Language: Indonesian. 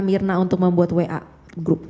mirna untuk membuat wa group